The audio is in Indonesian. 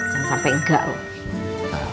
jangan sampai enggak loh